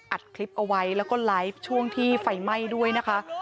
อัดคลิปเอาไว้แล้วก็ไลฟ์ช่วงที่ไฟไหม้ด้วยนะคะ